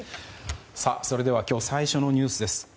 それでは今日最初のニュースです。